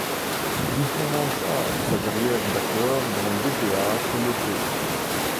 Il commença sa carrière d'acteur dans des théâtres locaux.